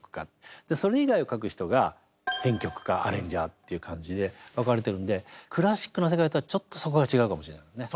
それ以外を書く人が編曲家アレンジャーっていう感じで分かれてるんでクラシックの世界とはちょっとそこが違うかもしれないですね。